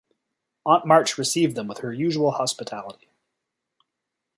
Aunt March received them with her usual hospitality.